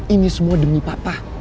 ini semua demi papa